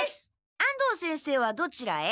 安藤先生はどちらへ？